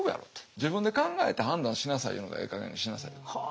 自分で考えて判断しなさいいうのがええ加減にしなさいと。